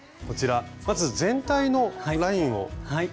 こちらまず全体のラインを。